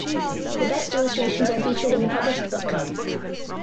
The best illustrations are featured in the published book.